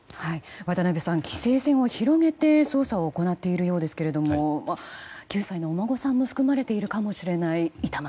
渡辺さん規制線を広げて捜査を行っているようですけれども９歳のお孫さんも含まれているかもしれない。